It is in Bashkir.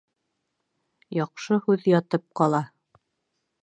Яҡшы һүҙ ятып ҡала